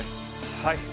はい。